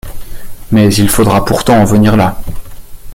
Mais il faudra pourtant en venir là.